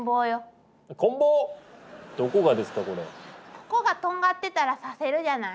ここがとんがってたら刺せるじゃない？